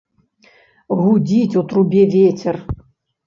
Гудзіць у трубе вецер.